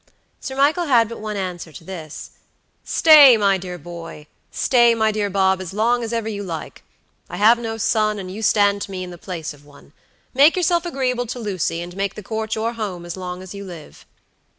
Sir Michael had but one answer to this: "Stay, my dear boy; stay, my dear Bob, as long as ever you like. I have no son, and you stand to me in the place of one. Make yourself agreeable to Lucy, and make the Court your home as long as you live."